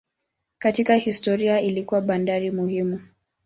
Katika historia ilikuwa bandari muhimu.